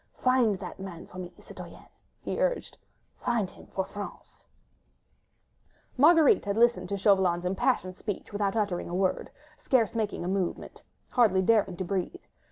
Find that man for me, citoyenne!" he urged, "find him for France!" Marguerite had listened to Chauvelin's impassioned speech without uttering a word, scarce making a movement, hardly daring to breathe.